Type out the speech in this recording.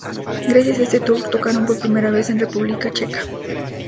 Gracias a este tour tocaron por primera vez en República Checa.